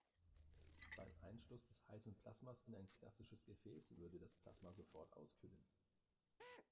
Beim Einschluss des heißen Plasmas in ein klassisches Gefäß würde das Plasma sofort auskühlen.